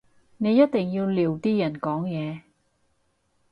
你一定要撩啲人講嘢